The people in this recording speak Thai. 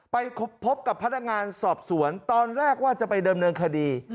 ไปพบกับพนักงานสอบสวนตอนแรกว่าจะไปเดิมเนินคดี